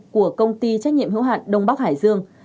của công ty trách nhiệm hữu hạn đông bắc hải dương